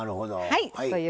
はい。